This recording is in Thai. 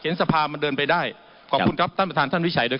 นำมุมคุณภาว